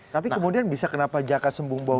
tapi kemudian bisa kenapa jaka sembung bau gelap